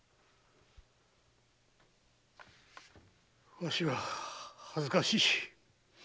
わしは恥ずかしい。